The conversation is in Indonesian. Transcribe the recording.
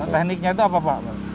tekniknya itu apa pak